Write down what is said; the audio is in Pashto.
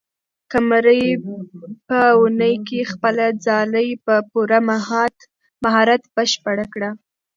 قمرۍ په ونې کې خپله ځالۍ په پوره مهارت بشپړه کړه.